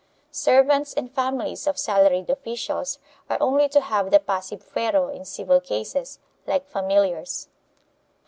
Servants and families of salaried officials are only to have the passive fuero in civil cases, like familiars.